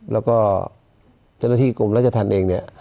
แล้วก็เจ้าหน้าที่กรมราชธรรมเองเนี่ย